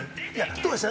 どうでした？